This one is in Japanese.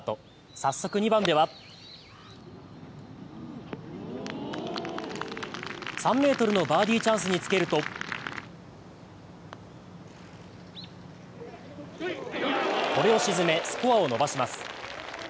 早速、２番では３ｍのバーディーチャンスにつけるとこれを沈めスコアを伸ばします。